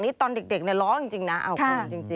นี่ตอนเด็กเนี่ยล้อจริงนะเอ้าค่ะ